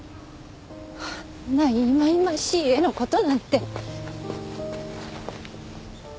あんないまいましい絵の事なんて！